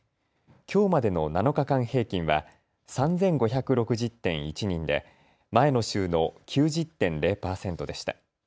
きょうまでの７日間平均は３５６０．１人で前の週の９０．０％でした。